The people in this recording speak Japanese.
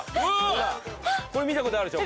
ほらっこれ見たことあるでしょ？